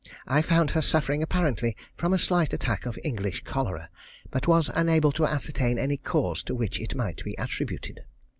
I found her suffering apparently from a slight attack of English cholera, but was unable to ascertain any cause to which it might be attributed.